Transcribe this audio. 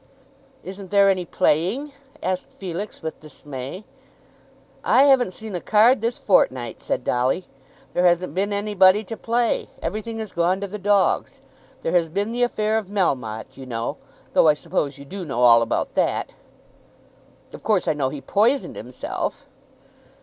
"Isn't there any playing?" asked Felix with dismay. "I haven't seen a card this fortnight," said Dolly. "There hasn't been anybody to play. Everything has gone to the dogs. There has been the affair of Melmotte, you know; though, I suppose, you do know all about that." "Of course I know he poisoned himself."